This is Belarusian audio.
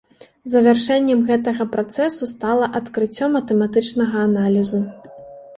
Завяршэннем гэтага працэсу стала адкрыццё матэматычнага аналізу.